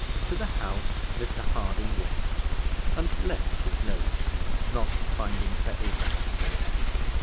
To the House Mr Harding went, and left his note, not finding Sir Abraham there.